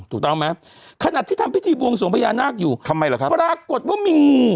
ถูกต้องไหมขนาดที่ทำพิธีบวงสวงพญานาคอยู่ทำไมล่ะครับปรากฏว่ามีงู